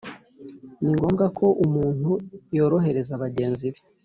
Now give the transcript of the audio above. ni ngombwa ko umuntu yorohera bagenzi be,